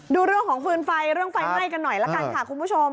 ดูเรื่องของฟืนไฟเรื่องไฟไหม้กันหน่อยละกันค่ะคุณผู้ชม